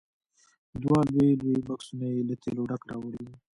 دوه لوی لوی بکسونه یې له تېلو ډک راوړي وو.